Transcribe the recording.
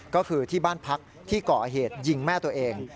ก็คือที่บ้านพักที่ก่อเหตุยิงแม่ตัวเอง